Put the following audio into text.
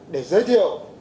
để giới thiệu